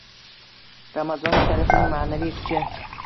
Ramazoni sharifning ma’naviy kuchi